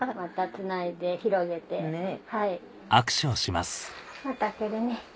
また来るね。